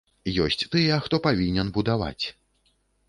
Ёсць тыя, хто павінен будаваць.